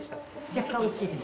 若干大きいです。